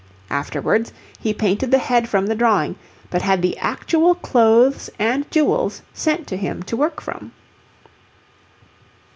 Afterwards he painted the head from the drawing, but had the actual clothes and jewels sent him to work from.